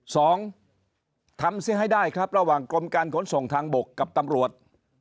สองทำซิให้ได้ครับระหว่างกรมการขนส่งทางบกกับตำรวจ